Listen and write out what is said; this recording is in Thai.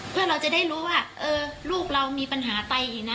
เพื่อเราจะได้รู้ว่าลูกเรามีปัญหาไตอีกนะ